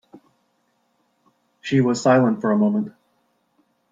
She was silent for a moment.